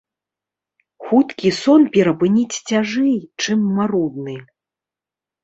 Хуткі сон перапыніць цяжэй, чым марудны.